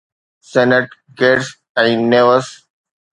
saint Kitts ۽ Nevis